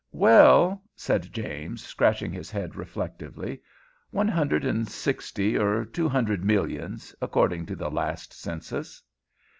"Well," said James scratching his head reflectively, "one hundred and sixty or two hundred millions, according to the last census."